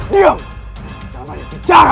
diam nyambing bicara